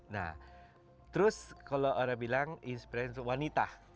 nah terus kalau orang bilang inspirasi untuk wanita